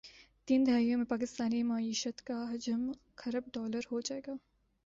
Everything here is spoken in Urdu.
تین دہائیوں میں پاکستانی معیشت کا حجم کھرب ڈالرہوجائےگا